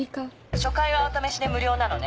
初回はお試しで無料なのね